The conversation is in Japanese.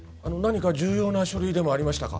重要な書類でもありましたか？